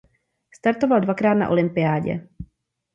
Startoval dvakrát na olympiádě.